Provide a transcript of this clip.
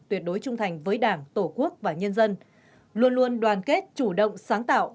tuyệt đối trung thành với đảng tổ quốc và nhân dân luôn luôn đoàn kết chủ động sáng tạo